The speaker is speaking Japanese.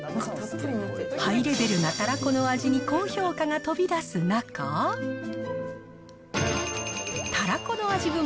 ハイレベルなたらこの味に高評価が飛び出す中、たらこの味